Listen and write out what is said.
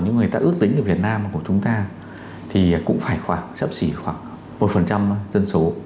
những người ta ước tính ở việt nam của chúng ta thì cũng phải khoảng sấp xỉ khoảng một dân số